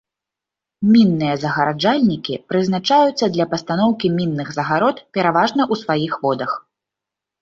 Мінныя загараджальнікі прызначаюцца для пастаноўкі мінных загарод пераважна ў сваіх водах.